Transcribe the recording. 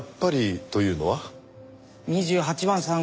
２８番さん